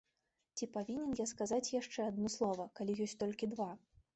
Ці павінен я сказаць яшчэ адно слова, калі ёсць толькі два?